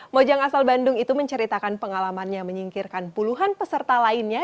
mojang asal bandung itu menceritakan pengalamannya menyingkirkan puluhan peserta lainnya